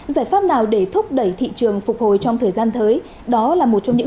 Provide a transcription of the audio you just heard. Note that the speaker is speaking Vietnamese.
giải pháp nào để thúc đẩy thị trường phục hồi trong thời gian tới